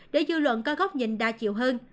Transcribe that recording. để dư luận có góc nhìn đa chiều hơn